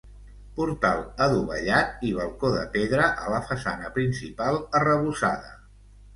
Portal adovellat i balcó de pedra a la façana principal arrebossada.